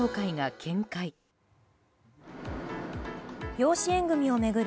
養子縁組を巡る